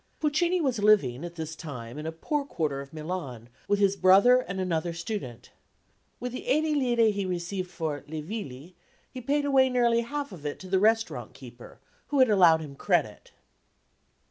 Puccini was living at this time in a poor quarter of Milan with his brother and another student. With the £80 he received for Le Villi he paid away nearly half of it to the restaurant keeper who had allowed him credit.